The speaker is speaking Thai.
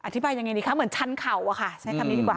ยังไงดีคะเหมือนชันเข่าอะค่ะใช้คำนี้ดีกว่า